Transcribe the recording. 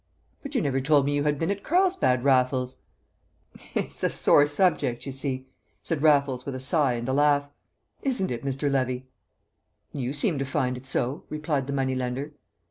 "But you never told me you had been at Carlsbad, Raffles!" "It's a sore subject, you see," said Raffles, with a sigh and a laugh. "Isn't it, Mr. Levy?" "You seem to find it so," replied the moneylender.